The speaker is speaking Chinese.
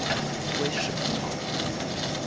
威氏葡萄